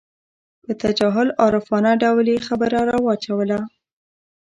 په تجاهل عارفانه ډول یې خبره راواچوله.